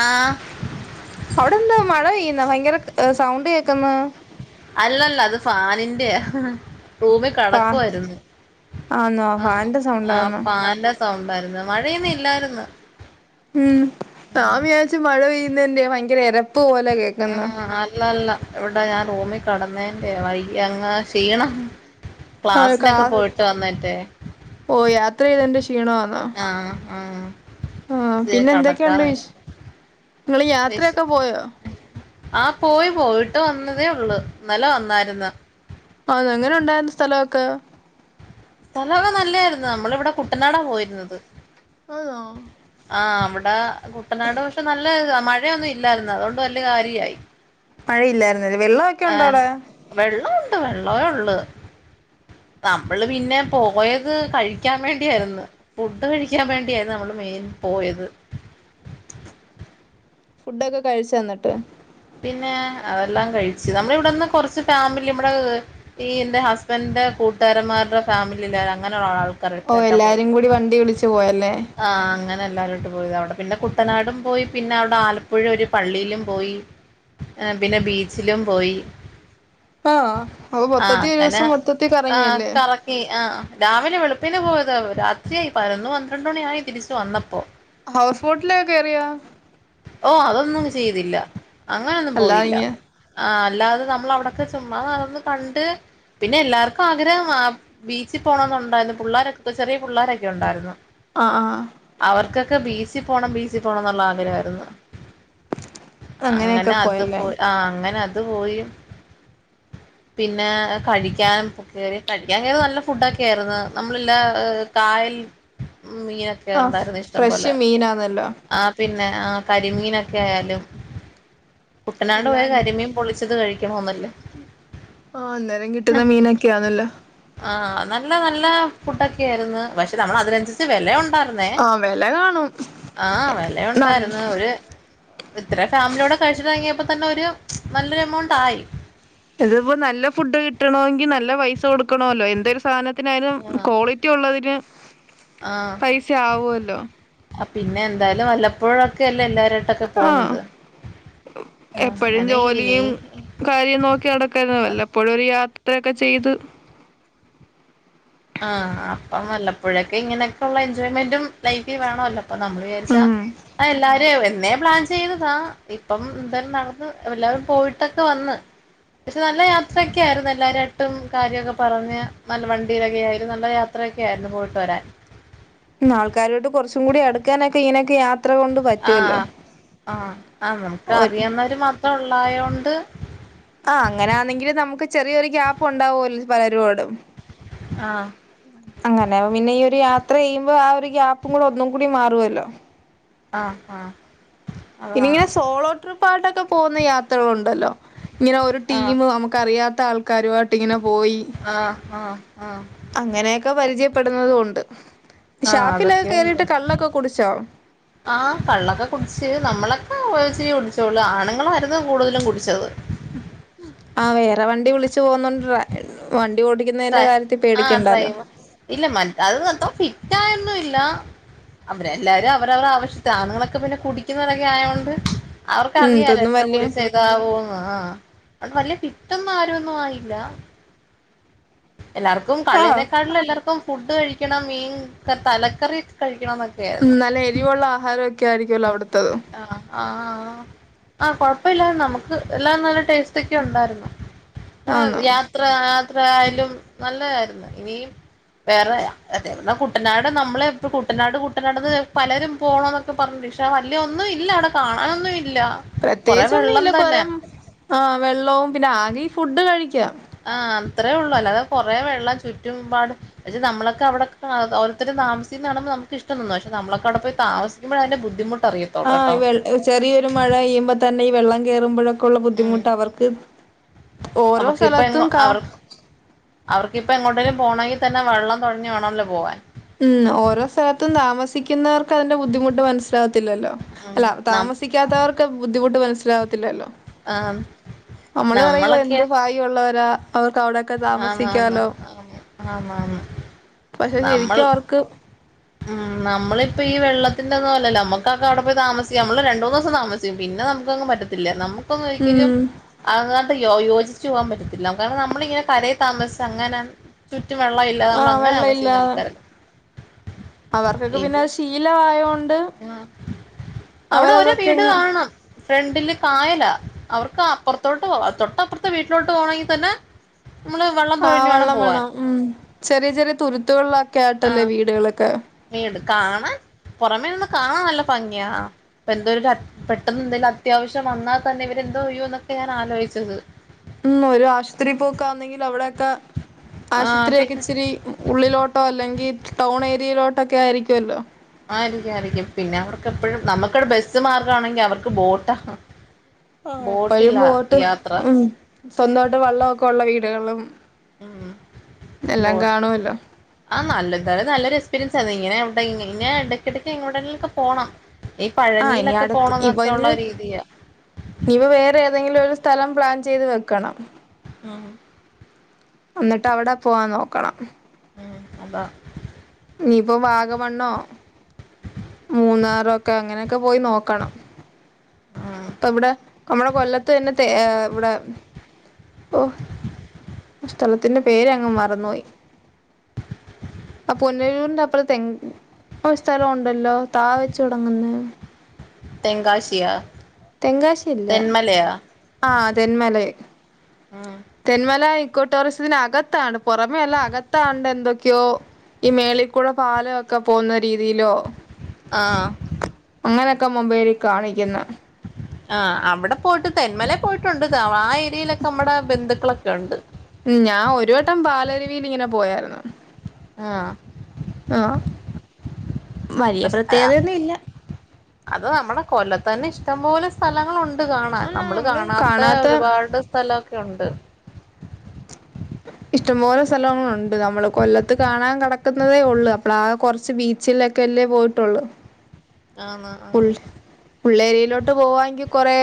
ആഹ് - യങ്കര സൗണ്ട് കേക്ക്ന്ന്- അല്ലല്ല അത് ഫാനിന്റെയാ- റൂമിൽ ഫാ കിടക്കവാരുന്നു ആന്നോ ആ ഫാന്റെ [inaudible] ആ സൗണ്ടാന്നോ ഫാന്റെ സൗ- ഉണ്ടാർന്ന് മഴയിന്ന് ഇല്ലാര്ന്ന്- ഇന്നെന്ത്യേ ഭയങ്കര എര പ്പ് പോലെ കേക്ക്ന്ന്- ഇവിട ഞാൻ റൂമി കെടന്നേന്റെയാ വയ്യ അങ്ങ് ക്ഷീണം- ആ ക്ലാസ്സിനൊക്കെ ക്ലാസ് പോയിട്ട് വന്നിട്ടെ പോയി യാത്രചെയ്തതിന്റെ ഷി- ക്ഷീണവാന്നോ? ആ ആ പിന്നെ എന്തൊക്കെയുണ്ട് വിഷ ങ്ങള് യാത്രയൊക്കെ പോയോ ആ പോയി പോയിട്ട് വന്നതേ ഉള്ളു ഇന്നലെ വന്നരുന്നു അത അങ്ങനെ ഉണ്ടായിരുന്ന സ്ഥലം ക്ക് സ്ഥലമൊക്കെ നല്ലതായിരുന്നു നമ്മള ഇവിടെ കുട്ടനാടാ പോയിരുന്നത് ആന്നോ ആ അവിടെ കുട്ടനാട് പക്ഷെ നല്ല മഴയൊന്നും ഇല്ലായിരുന്ന അതുകൊണ്ട് വല കാര്യായി മഴയില്ലായി വെള്ളമൊക്കെ ഉണ്ടോ അവിടെ? വെള്ളമേ ഉള്ള് നമ്മള് പിന്നെ പോയത് കഴിക്കാൻ വേണ്ടിയായിരുന്നു ഫുഡ് കഴിക്കാൻ വേണ്ടിയായിരുന്നു നമ്മള് മെയിൻ പോയത് ഫുഡൊക്കെ കഴിച്ചോ എന്നിട്ട്? പിന്നെ അതെല്ലാം കഴിച്ചു നമ്മള ഇവിടെന്ന് കുറച്ച് ഫാമിലി നമ്മടെ ഈ എന്റെ ഹസ്ബൻഡിന്റെ കൂട്ടുകാരന്മാരുടെ ഫാമിലി അങ്ങനെള്ള ആൾ ഓ എല്ലാരും കൂടി വണ്ടി വിളിച്ചു പോയല്ലേ? എല്ലാവരോട്ട് പോയത് അവിടെ പിന്നെ കുട്ടനാടും പോയി പിന്നെ അവിടെ ആലപ്പുഴ ഒരു പള്ളിയിലും പോയി പിന്നെ ബീച്ചിലും പോയി ആ അപ്പൊ ആ മൊത്തത്തി ഒരു അങ്ങനെ ദിവസം മൊത്തത്തി ആ കറങ്ങിയല്ലേ കറക്കി ആഹ് രാവിലെ വെളുപ്പ പിന്നെ പോയത് രാത്രിയായി പതിനൊന്നു പന്ത്രണ്ട് മണിയ ആയി തിരിച്ചു വന്നപ്പോ ഹൗസ് ബോട്ടില കേയറിയാ? ഓ അതൊന്നും ചെയ്തില്ല അങ്ങനൊന്നും അല്ലാ പോയില്ല ഇങ്ങ ആ അല്ലാതെ നമ്മൾ അവിടൊക്കെ ചുമ്മാന്ന് കണ്ട് പിന്നെ എല്ലാവർക്കും ആഗ്രഹം ആ ബീച്ചിൽ പോണംന്നുണ്ടായിരുന്നു പിള്ളോരൊക്കെ ചെറിയ പിള്ളേരൊക്കെ ഉണ്ടായിരുന്നു ആഹ് ആഹ് ക്കെ ബീച്ചിൽ പോണം ബീച്ചിൽ പോണം എന്നുള്ള ആഗ്രഹാരുന്നു [unintelligible] അങ്ങനെയൊക്കെ അങ്ങനെ അത് പോയല്ലേ പോ ആ അങ്ങനെ അത് അതു പോയി പിന്നെ കഴിക്കാനുംറി കഴിക്കാൻ കറി നല്ല ഫുഡക്കെ ആയിരുന്നു നമ്മളല്ല കായൽ മീനൊക്കെ ആഹ് ഉണ്ടായിരുന്നു ഫ്രഷ് ഇഷ്ടംപോലെ മീനാന്നല്ലോ ആ പിന്നെ ആഹ് കരിമീനൊക്കെ ആയാലും കുട്ടനാട് പോയ എല്ലാന്ന് കരിമീം പൊളിച്ചത് കഴിക്ക ക്ക് ഹോമ്മല്ലേ ആഹ് അന്നേരം കിട്ടുന്ന മീനൊക്കെയ ആന്നല്ല ആ നല്ല നല്ല ഫുഡൊക്കെ ആയിരുന്നു പക്ഷെ നമ്മൾ അതിനനുസരിച്ച് വിലയുണ്ട് ആഹ് വില കാണും നല്ല അ ഒരു ഇത്ര ഫാമിലിയോടെ കഴിച്ചിട്ടറങ്ങിയപ്പോ തന്നെ ഒരു നല്ലൊരു എമൗണ്ട് ആയി ഇതിപ്പോ നല്ല ഫുഡ് കിട്ടണമെങ്കിൽ നല്ല പൈസ കൊടുക്കണല്ലോ എന്ത് ഒരു സാധന ത്തിനായാലും ക്വാളിറ്റി ഉള്ളതിന് ആ പൈസ ആവുല്ലോ ആ പിന്നെ എന്തായാലും വല്ലപ്പോഴൊക്കെ ല്ലേ എല്ലാ ആ ആഹ് എപ്പഴും അങ്ങനെ ഇനി ജോലിയും കാര്യം നോക്കി നടക്കല് വല്ലപ്പോഴും ഒരു യാത്രയൊക്കെ ചെയ്ത് ആ അപ്പം വല്ലപ്പോഴൊക്കെ ഇങ്ങനെക്കെള്ള എൻജോയ്മെന്റും ലൈഫിൽ വേണല്ലോ അപ്പൊ നമ്മള് വിചാരിച്ച ഉം എ എല്ലാരു ന്നെ പ്ലാൻ ചെയ്തതാ ഇപ്പം എന്തയലും നടന്ന് എല്ലാരും പോയിട്ടൊക്കെ വന്ന് ക്ഷെ നല്ല യാത്രയൊ ക്യായിരുന്നു എല്ലരായിട്ടും കാര്യൊക്കെ പറഞ്ഞ് നല്ല വ ണ്ടിലൊക്കെയായിരുന്നു നല്ല യാത്രയൊക്കെയായിരുന്നു പോയിട്ട് വരാൻ ഉം ആൾക്കാരോയിട്ട് കൊർച്ചും കൂടി അടുക്കാനൊക്കെ ഇനൊക്കെ യാ ആ ആ ആ നമുക്ക് ഒര് അറിയുന്നവര് മാത്രേ ഉ ക്ലായോണ്ട് ആ അങ്ങനാന്നങ്കിലും നമുക്ക് ചെറിയൊരു ക്യാപ്പു ണ്ടാവുഅല്ലോ പലരോടും ആഹ് അങ്ങനെ പിന്നെ ഈ ഒരു യാത്ര ത്ര യ്യുമ്പോ ആ ഒരു ക്യാപ്പും കൂടെ ഒന്നും കൂടി മാറുവല്ലോ ആ ആ പിന്നിങ്ങനെ സോളോ ട്രിപ്പായിട്ടൊക്കെ പോവുന്ന യാത്രകളുണ്ടല്ലോ ഇങ്ങനെ ഒരു ടീം നമുക്കറിയാത്ത ആൾക്കാരു ആയിട്ടിങ്ങനെ ആ ആ ആ അങ്ങനെയെക്കെ പരിചയപ്പെടുന്നതുണ്ട് ആഹ് ഷാപ്പിലൊക്കെ കേറിട്ട് കള്ളൊക്കെ കുടിച്ചോ ആ കള്ളൊക്കെ കുടിച്ച് നമ്മളൊക്കെച്ചിരി കുടിച്ചോള്ളൂ ആണ്ങ്ങളായിരുന്നു കൂടുതലും കുടിച്ചത് ആ വേറെ വണ്ടി വിളിച്ചു പോവുന്നുണ്ട്ര വ ഡ്ര ആ ഡ്രൈവർ ഇല്ല മറ്റ അത് [unintelligible] ടൈം നുല്ല അവരെ എല്ലാരും അവരവരുടെ ആവശ്യത്ത് ആണുങ്ങളൊക്കെ പിന്നെ കുടിക്കുന്നവരൊക്കെ ആയോണ്ട് ഉം അവർക്കറിയാലോ ഇതൊന്നും എത്ര വല്യ കുടി ചെയ്താവൂന്ന് ആ വല്യ ഫീറ്റൊന്നും ആരൊന്ന്വായില എല്ലാർക്കും ആഹ് കള്ളീനേക്കാട്ടിലും എല്ലാർക്കും ഫുഡ് കഴിക്കണം മീൻ തലക്കറി കഴിക്ക ഉം നല്ല എരിവുള്ള ആഹാരൊക്കെ ക്കെയായിരിക്കല്ലോ അവ്ട്ത്തത് ആ ആ കൊഴപ്പില്ലായ്രുന്നു നമുക്ക് എല്ലാം നല്ല ടേസ്റ്റൊക്കെ ഉണ്ടായിരുന്നു എ ആന്ന് യാത്രാ ത്രയായാലും നല്ല യായിരുന്നു ഇനിയും വേറെ അത കുട്ടനാട് നമ്മളെയൊക്കെ കുട്ടനാട് കുട്ടനാട്ന്ന് കേക്ക് പലരും പോണോന്നൊക്കെ [unintelligible] വല്ലയൊന്നും ഇല്ല അവിടെ കാണാനൊന്നു ഇ പ്രത്യേകിച്ച ഒന്നും ഇല്ല കൊറെ ആവെള്ളവും പിന്നെ ആകെ ഫുഡ് കഴിക്കുക ആഹ് അത്രേയള്ളൂ അല്ലാതെ കുറെ വെള്ളം ചുറ്റുപാട് പക്ഷെ നമ്മളൊക്കെ അവിടെ ഓരോത്ത താമസിക്കുന്ന കാണുമ്പോ നമുക്കിഷ്ട തന്ന പക്ഷെ നമ്മളൊക്കെ അടെയി താമസിക്കുമ്പോഴ അതിൻന്റെ ബുദ്ധമുട്ട് ആ ചെറിയൊരു മഴ പെയ്യുമ്പോ തന്നെ ഈ വെള്ളം കേയറമ്പഴും ള്ള ഉം ബുദ്ധിമുട്ട് അവർക്ക് ഓരോ അവർക്കിപ്പ എങ്ങോ സ്ഥലത്തും കാ എവിടേലും പോനേൽത്തന്നെ വള്ളം തുഴഞ്ഞു വേണമല്ലോ പോവാൻ ഉം ഓരോ സ്ഥലത്തും താമസിക്കുന്നവർക്ക് അതിന്റെ ബുദ്ധിമുട്ട് മനസ്സില തില്ലല്ലോ ഉം അല്ല നം താമസിക്കാത്തവർക്ക് ബുദ്ധിമുട്ട് മനസിലവത്തില്ലല്ലോ ആഹ് നമ്മപറയും നമ്മളൊക്കെ എന്തു ഭാഗ്യമുള്ളവര ആ അവർ അവിടൊക്കെ താമസിക്കാലോ ആമാ പക്ഷെ ശരിക്കും അവർക്ക് ഉം നമ്മിളിപ്പോ ഈ വെള്ളത്തിന്റെ ഒന്നുമല്ലോലോ നമക്കെക്കെ അവിടെ പോയി താമസിക്കാം നമ്മള് രണ്ട മൂന്ന് ദിവസ തമാസമിക്കും പിന്നെ നമുക്കങ് പറ്റത്തില്ല നമുക്ക് ഇപ്പോരിക്കലും ഉം അങ്ങാ യോ യോജിച്ചച്ച് പോവാൻ പറ്റത്തില്ല കാരണം നമ്മളിങ്ങനെ കരയിൽ താമസഅങ്ങനെ മറ്റ വെള്ളം ഇല്ലാ നമ്മൾ ആഹ് വെള്ളം അങ്ങനൊതാമസിക്കുന്ന ഇല്ലാതെ ആൾക്കാരല്ലോ അവർക്കൊക്കെ പിന്നെത് ശീലമായയൊണ്ട് ആ അവരതൊക്കെങ് രണ്ടില് കായലാ അവർക്ക് അപ്പുറത്തോട്ട് പോ തൊട്ടപ്പുറത്തെ വീട്ടിലോട്ട് പോകണമെങ്കിൽ തന്നെ നമ്മള് വെള്ളം തൊഴിഞ്ഞു ആവെള്ളം പോവാൻ വേണം ഉം ചെറിയ ചെറിയ തുരു തുള്ള കേട്ടല്ലേ വീടുകളൊക്കെ കാണാ പുറമേ നിന്ന് കാണാൻ നല്ല ഭംഗിയാ ഇപ്പ എന്തോ പെട്ടെന്ന് എന്തെിലും അത്യാവശ്യം വന്നാൽ തന്നെ ഇവരെന്തോ ചെയയ്യോ എന്നൊക്കെ ഞാൻ ആലോചിച്ചത് ഉ ഒരു ആശുപത്രി പോക്കാന്നെങ്കിൽ അവിടെ ആഹ് ആശുപത്രിക്കെ പിന്നെ ഇച്ചിരി ഉള്ളിലോട്ടോ അല്ലെങ്കിൽ ടൗൺ ഏരിയയിലോട്ടൊക്കെ ആയിരിക്കല്ലോ ആയിരിക്കാം ആയിരിക്കും പിന്നെ അവർക്ക് എപ്പഴും നമ്മുക്കിടെ ബസ്സ് മാർഗംമാണെങ്കിൽ അവർക്ക് ബോട്ടാ ആ എപ്പോഴും ബോട്ടിലാ ബോട്ട് യാത്ര ഉ സ്വന്തമായിട്ട് വെള്ളമൊക്കെ ഉള്ള വീട് കുട്ടകളും ഉം എല്ലാം കാണുവല്ലോ എന്താലും നല്ലൊരു എസ്പീരിയൻസ് ആ ഇങ്ങനെ ഇ ഇടയ്ക്കിടയ്ക്ക് ഇങ്ങോടക്കെ പോകണം ആ ഇനി അടുത്ത് ഇപ്പൊ ഇ രീതിയാ ഇനിപ്പ വേറെ ഏതെങ്കിലും ഒരു സ്ഥലം പ്ലാൻ ചെയ്ത് വെക്കണം ആ എന്നിട്ട് അവിടെ പോവാൻ നോക്കണം അത നീപ്പോ വാഗമണ്ണോ മൂന്നാറൊക്കെ അങ്ങനെയൊക്കെ പോയി നോക്കണം ഉം ഇപ്പൊ ഇവിടെ നമ്മടെ കൊല്ലത്ത് തന്നെ തേ ഇവിടെ ഓ ഇഷ്ട്ടല്ല ത്തിന്റെ പേര് അങ്ങ് മറന്നുപോയി ആ പുന്നലൂരിന്റെ അപ്പുറത്തെ സ്ഥലം ഉണ്ടല്ലോ താ വെച്ച് തുടങ്ങുന്ന തെങ്കാശിയാ തെങ്കാശിയില്ല തെന്മലയാ ആ തെന്മലയ് തെന്മല ഇ ക്കൊ ടോറിസത്തിന് അകത്താണ് പുറമേ അല്ല അകത്താണ്ട് എന്തൊക്കെയോ ഈ മേളിക്കൂടി പാലൊക്കെ പോകുന്ന രീതിയിലോ ആ അങ്ങനൊക്കെ മൊബൈലിൽ കാണിക്കുന്ന് ആ അവിടെ പോയിട്ട് തെന്മലേ പോയിട്ടുണ്ട് ആ ഏരിയയിലൊക്കെ നമ്മടെ ബന്ധുക്കളൊക്കെ ഉണ്ട് ഞാൻ ഒരു വട്ടം പാലരുവീൽ ഇങ്ങനെ പോയായിരുന്നു ആ ആ വലിയ പക്ഷെ പ്രത്യേകതയൊന്നും ഇല്ല അത് നമ്മുടെ കൊല്ലത്ത് തന്നെ ഇഷ്ടംപോലെ സ്ഥലങ്ങളു ണ്ട് കാണാൻ നമ്മള് കാണാത്ത ഒരുപാട് സ്ഥല ഒ ക്കെഉണ്ട് ഇഷ്ടംപോലെ സ്ഥലങ്ങളുണ്ട് നമ്മള് കൊല്ലത്ത് കാണാൻ കിടക്കുന്നതേ ഉള്ളു അപ്പൾ ആ കുറച്ച് ബീച്ചിലൊക്കെ അല്ലേ പോയിട്ടുള്ളു ആന്ന് പുൾ ആന്ന് പുള്ളേരിയയിലോട്ട് പോവാണെങ്കിൽ കൊറെ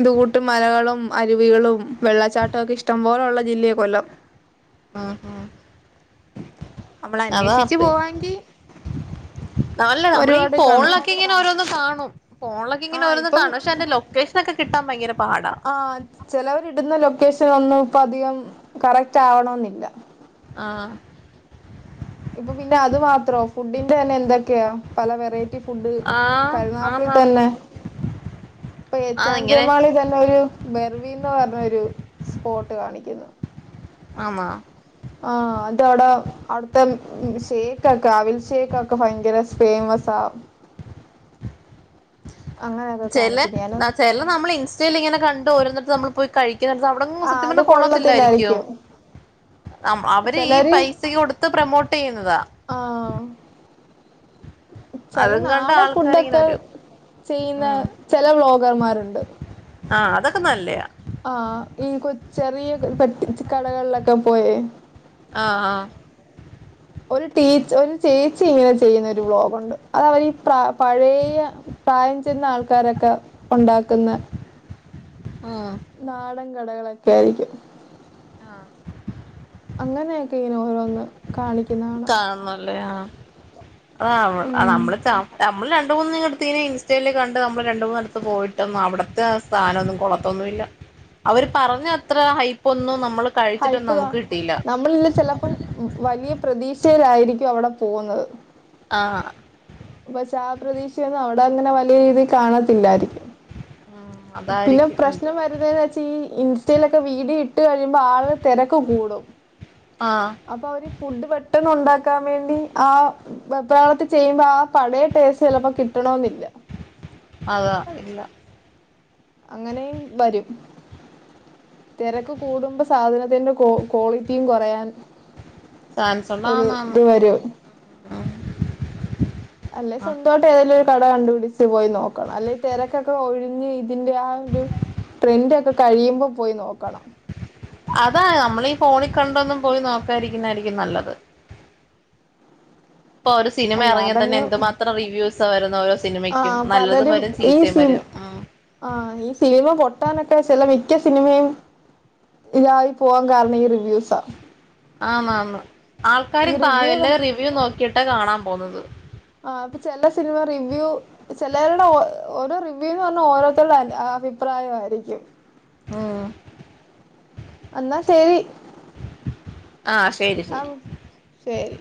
ഇത് കൂട്ട് മലകളും അരുവികളും വെള്ളച്ചാട്ടമൊക്കെ ഇഷ്ടം പോലെയുള്ള ജില്ലയാ കൊല്ലം ആ ആ നമ്മൾ അത അന്വേഷിച്ച് അപ്പേ പോവാെങ്കിൽ നല്ല നമ്മളി ഒരുപാട് കാണും പോണിലൊക്കെ ഇങ്ങനെ ഓരോ ന്ന് കാണും ഫോണൊക്കെ ഇങ്ങ നെ ആഹ് ഓരോന്നൊക്കെ കാണും പക്ഷെ അതി ന്റെ ലൊക്കേഷൻ ഒക്കെ കി ട്ടാൻ ഭയങ്കര പാടാ ആ ചെലവരിടുന്ന ലൊക്കേഷൻ ഒ ന്നും ഇപ്പ അധികം കറക്റ്റ് ആവണോ ന്നില്ല ആ ഇപ്പൊ പിന്നെ അത് മാത്രോ ഫുഡിന്റെ തന്നെ എന്തൊക്കെയാ പല വെറൈറ്റി ഫുഡ് ആഹ് കരുനാപ്പിൽ ആന്നാന്ന് തന്നെ ഇപ്പൊ ആഹ് ഇങ്ങനെ എച്ചാഞ്ചേമാളി തന്നെ ഒരു വെ വീന്ന് പറഞ്ഞൊരു സ്പോട്ട് കാണിക്കുന്നു ആമാ ആ അത് അവിടെ അവിടുത്തെ ഷേക്ക് ഒക്കെ അവിൽഷേക്ക് ഒക്കെ ഭയങ്കര ഫേമസാ അങ്ങനെയൊക്കെ ചില കാണിക്കുന്നെ ഞാന് ചില നമ്മൾ ഇൻസ്റ്റയിൽ ഇങ്ങനെ കണ്ട് ഓരൊ ന്നും നമ്മൾ പോയി കഴി ക്ക്ന്നട്ത് അവിടെ ആഹ് സത്യം അത് പറഞ്ഞാൽ കൊള്ളത്തില്ലായിരിക്കും അവര് ഈ ചെലര് പൈസക്ക് കൊടുത്ത് പ്രമോട്ട് ചെയ്യുന്നതാ ആഹ് ചെല അതും കണ്ട് നാടൻ ആൾക്കാരിങ്ങനെ ഫുഡൊക്കെ വരും ചെയ്യുന്ന ഉം ചെല ബ്ലോഗർമാരുണ്ട് ആഹ് അതൊക്കെ നല്ല യാ ആ ഈ കൊച്ച് ചെറിയ പെട്ടി കടകളിലൊക്കെ പോയേ ആ ആ ഒരു ടീ ഒരു ചേച്ചി ഇങ്ങനെ ചെയ്യുന്ന ഒരു ബ്ലോഗുണ്ട് അതവർ പ്ര പഴയ പ്രായം ചെന്ന ആൾക്കാരൊക്കെ ഉണ്ടാക്കുന്ന ഉം നാൾ കടകളൊക്കെ ആയിരിക്കും അങ്ങനെയൊക്കെ ഓരോന്ന് കാണി കൺന്നുല്ലേ ആ അ ഉം നമ്മള ച നമ്മള് രണ്ട മൂന്ന് [unintelligible] ഇൻസ്റ്റയിൽ കണ്ടു നമ്മൾ രണ്ട മൂന്നടത്ത് പോയിട്ടൊന്നും അവിടുത്തെ സ്ഥാനം ഒന്നും കൊളത്തൊന്നുല്ല അവര് പറഞ്ഞത്ര ഹൈപ്പ ഒന്നും നമ്മ ഹയപ്പു കണും നമ്മളന്ന് ചെലപ്പം വലിയ പ്രതീക്ഷ രിക്കും അവിടെ പോന്നത് ആ പ ചാ ആ പ്രതീക്ഷ അവിടെ അങ്ങനെ വലിയ രീതി കാണത്തില്ലായിരി ഉം പിന്നെ അതായിരിക്കും പ്രശ്നം എന്തുവാ വരുന്ന വെച്ച ഈ ഇൻസ്റ്റയിൽ ഒക്കെ വീഡിയോ ഇ ട്ട് കഴിയുമ്പോ ആള് തിരക്ക് കൂടും ആഹ് അപ്പൊ അവര് ഫുഡ് പെട്ടെന്ന് ഒണ്ടാക്ക പോവാൻ വേണ്ടി ആ വെപ്രാളത്തിൽ ചെയ്യുമ്പോ ആ പഴയ ടേസ്റ്റ് ചെലപ്പോ കിട്ടണോന്നില്ല. അതാ ഇല്ല അങ്ങനെയും വരും തെരക്ക് കൂടുമ്പോ സാധനത്തിന്റെ കോ കോളിറ്റിയും കൊറയാൻ ഒരു ചാൻസുള്ളാന്നാന്ന് ഇത് വരോ ഉം അല്ലെ ആഹ് സ്വന്തായിട്ട് ഏതെലേം കട കണ്ടുപിടിച്ച് പോയി നോക്കണം, അല്ലെ തെരക്കൊക്കെ ഒഴിഞ്ഞ് ഇതിന്റെ ആ ഒരു ട്രെൻഡ് ഒക്കെ കഴിയുമ്പോ പോയി നോക്കണം. അതാ നമ്മളീ ഈ ഫോണി കണ്ടൊന്നും പോയി നോക്കാരിക്കി ന്നായിരിക്കും നല്ലത് ഇപ്പൊ ഒരു സിനിമ ഇറങ്ങിയാ തന്നെ അല്ലാതങ്ങ് എന്തു മാത്രം റിവ്യൂസ് സേ വരുന്നോരോ ആ പലരും ഈ സീൻ ഉം ആ ഈ സിനിമ പൊട്ടാനൊക്കെ ചെല വ്യ മിക്ക സിനിമയും ഇതായി പോവാൻ കാരണം ഈ റിവ്യൂസാ. ആന്ന് ആന്ന് ഈ ആൾക്കാര് കാ റിവ്യൂ എല്ലാരും റിവ്യൂ നോക്കീട്ടെ കാണാ പോന്നത് ആ ഇപ്പൊ ചെല സിനിമ റിവ്യൂ ചെലവരുടെ ഓരോ റിവ്യൂന്ന് പറഞ്ഞാ ഓരോരുത്തരടെ ആഹ് അഭിപ്രായവായിരിക്കും. ആഹ് അന്നാ ശരി ആ ശരി ശരി അവ് ശരി